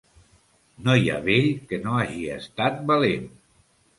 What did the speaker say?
No hi ha vell que no hagi estat valent.